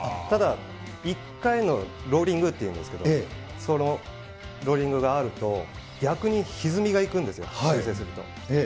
ただ、１回のローリングっていうんですけれども、そのローリングがあると、逆にひずみがいくんですよ、修正すると。